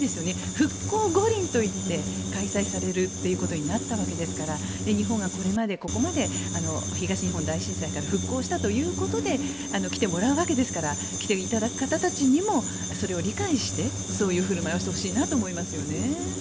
復興五輪といって開催されるということになったわけですから日本がこれまで、ここまで東日本大震災から復興したということで来てもらうわけですから来ていただく方たちにもそれを理解してそういう振る舞いをしてほしいなと思います。